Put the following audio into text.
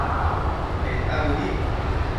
Peta bëdic